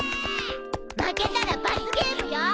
負けたら罰ゲームよ！